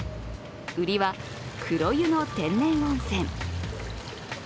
売りは黒湯の天然温泉。